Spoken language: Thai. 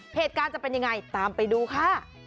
เพศกาจะเป็นยังไงตามไปดูค่ะ